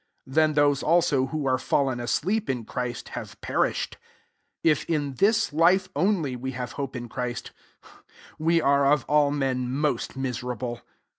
1 8 Then those also who are fallen asleep in Christ, have perished. 19 If in this life, only, we have hope in Christ, we are, of all men, most miserable.